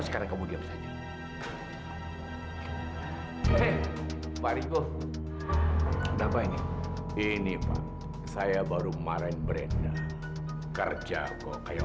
sampai jumpa di video selanjutnya